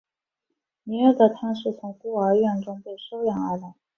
年幼的他是从孤儿院中被收养而来。